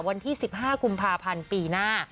วันที่๑๕กุมภาพันธ์ปีหน้า